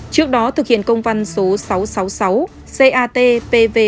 trước đó thực hiện công văn số sáu trăm sáu mươi sáu cat pv